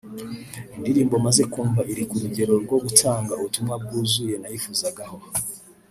Indirimbo maze kumva iri ku rugero rwo gutanga ubutumwa bwuzuye nayifuzagaho